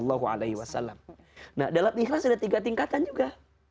nah dalam ikhlas ada tiga tingkatan juga